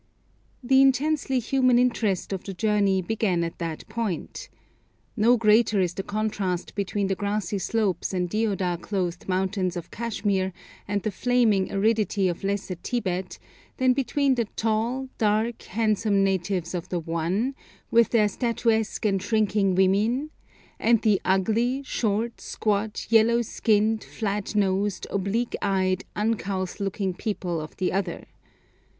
The intensely human interest of the journey began at that point. Not greater is the contrast between the grassy slopes and deodar clothed mountains of Kashmir and the flaming aridity of Lesser Tibet, than between the tall, dark, handsome natives of the one, with their statuesque and shrinking women, and the ugly, short, squat, yellow skinned, flat nosed, oblique eyed, uncouth looking people of the other.